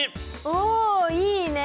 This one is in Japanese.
おおいいね！